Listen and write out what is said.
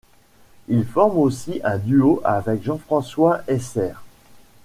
Il forme aussi un duo avec Jean-François Heisser.